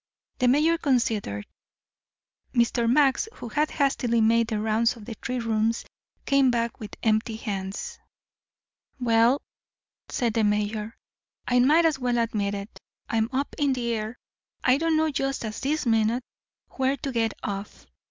The mayor considered. Mr. Max, who had hastily made the rounds of the three rooms, came back with empty hands. "Well," said the mayor, "I might as well admit it. I'm up in the air. I don't know just at this minute where to get off.